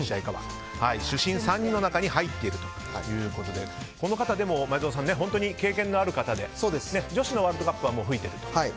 主審３人の中に入っているということでこの方、本当に経験のある方で女子のワールドカップはもう笛を吹いていると。